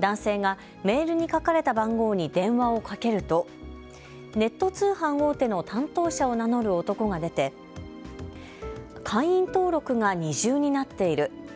男性がメールに書かれた番号に電話をかけるとネット通販大手の担当者を名乗る男が出て会員登録が二重になっている。